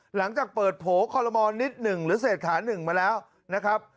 หลังจากเปิดโผล่คอลโลมอลนิดหนึ่งหรือเศรษฐา๑มาแล้วนะครับ